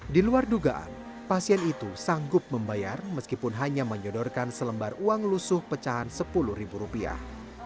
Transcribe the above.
di luar dugaan pasien itu sanggup membayar meskipun hanya menyodorkan selembar uang lusuh pecahan sepuluh ribu rupiah